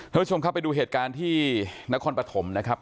ทุกคนค่ะไปดูเหตุการณ์ที่นครบัตถมนะครับ